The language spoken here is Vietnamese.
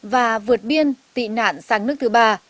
và vượt biên tị nạn sang nước thứ ba